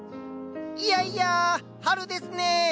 いやいや春ですね。